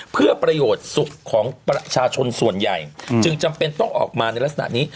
เพื่อประโยชน์สุขของประชาชนส่วนใหญ่จึงจำเป็นต้องออกมาในลักษณะนี้